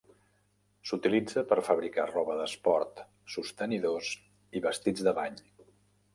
S'utilitza per fabricar roba d'esport, sostenidors i vestits de bany.